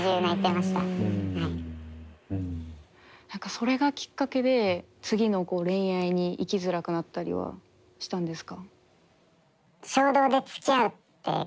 それがきっかけで次の恋愛にいきづらくなったりはしたんですか？